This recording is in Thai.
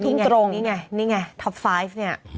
นี่ไงนี่ไงท็อป๕เนี่ย